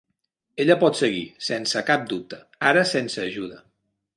Ella pot seguir, sense cap dubte, ara sense ajuda.